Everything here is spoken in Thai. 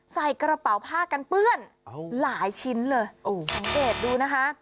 ใส่กระเป๋าผ้ากันเปื้อนหลายชิ้นเลยสังเกตดูนะคะ